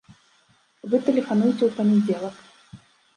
Вы тэлефануйце ў панядзелак.